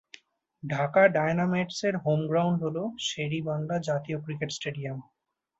ঢাকা ডায়নামাইটস-এর home ground হল শের-ই-বাংলা জাতীয় ক্রিকেট স্টেডিয়াম।